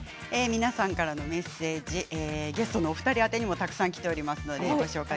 皆さんからのメッセージゲストのお二人宛てにもたくさんきております。